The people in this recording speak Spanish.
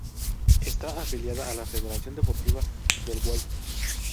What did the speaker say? Está afiliada a la Federación Deportiva del Guayas.